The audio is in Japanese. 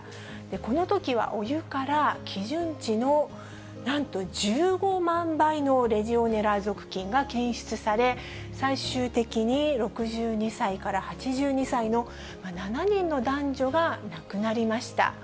このときは、お湯から基準値のなんと１５万倍のレジオネラ属菌が検出され、最終的に６２歳から８２歳の７人の男女が亡くなりました。